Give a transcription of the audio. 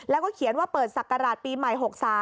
แล้วก็เขียนว่าเปิดศักราชปีใหม่๖๓